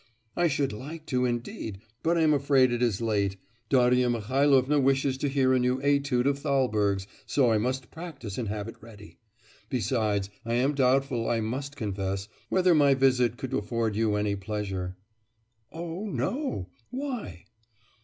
'I should like to, indeed, but I am afraid it is late. Darya Mihailovna wishes to hear a new étude of Thalberg's, so I must practise and have it ready. Besides, I am doubtful, I must confess, whether my visit could afford you any pleasure.' 'Oh, no! why?